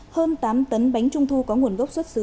hơn tám tấn bánh trung thu có nguồn gốc xuất xứ